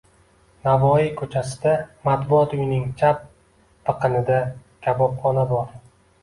Navoiy ko’chasida Matbuot uyining chap biqinida kabobxona bor